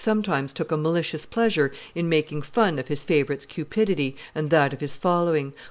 sometimes took a malicious pleasure in making fun of his favorite's cupidity and that of his following.